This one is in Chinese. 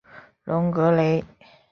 隆格雷。